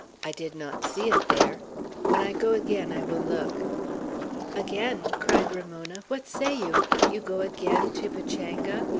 I did not see it there. When I go again, I will look." "Again!" cried Ramona. "What say you? You go again to Pachanga?